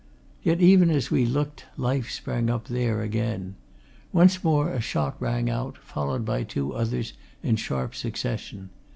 Yet, even as we looked, life sprang up there again. Once more a shot rang out, followed by two others in sharp succession.